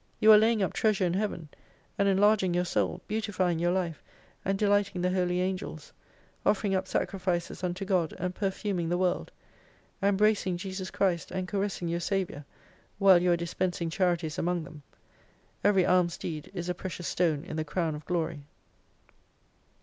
You are laying up treasure in Heaven, and enlarging your Soul, beautifying your life, and delighting the Holy Angels, offering up sacrifices unto God, and perfuming the world ; embracing Jesus Christ and caressing your Saviour, while you are dispensing charities among them. Every alms deed is a precious stone in the Crown of Glory.